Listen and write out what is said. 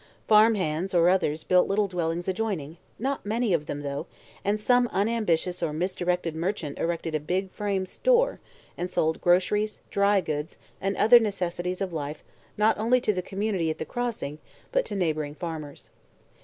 Farm hands or others built little dwellings adjoining not many of them, though and some unambitious or misdirected merchant erected a big frame "store" and sold groceries, dry goods and other necessities of life not only to the community at the Crossing but to neighboring farmers.